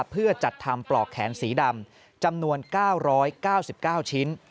เพื่อจัดทำปลอกแขนสีดำจำนวน๙๙๙ชิ้น